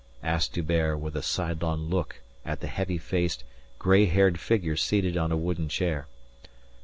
asked D'Hubert with a sidelong look at the heavy faced, gray haired figure seated on a wooden chair.